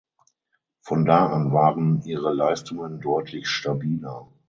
Von da an waren ihre Leistungen deutlich stabiler.